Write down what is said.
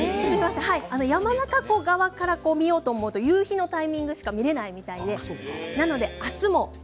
山中湖側から見ようとすると夕日のタイミングしか見られないそうです。